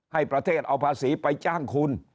ให้ประเทศเอาภาษีไปจ้างคุณ